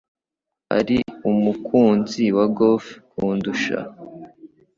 Ari umukunzi wa golf kundusha.